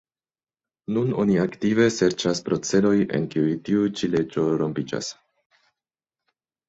Nun oni aktive serĉas procedoj en kiuj tiu ĉi leĝo rompiĝas.